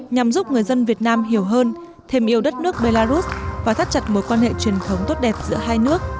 nhằm giúp người dân việt nam hiểu hơn thêm yêu đất nước belarus và thắt chặt mối quan hệ truyền thống tốt đẹp giữa hai nước